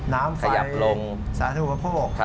น้ำไฟสาธุประโปรค